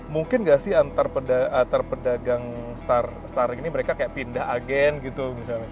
mungkin gak sih antar pedagang starling ini mereka kayak pindah agen gitu misalnya